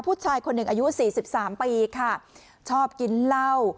ผู้ชายคนหนึ่งอายุสี่สิบสามปีค่ะชอบกินเหล้า